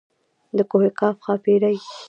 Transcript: د کوه قاف ښاپېرۍ.